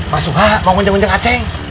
mas suha mau ngunjung ngunjung aceng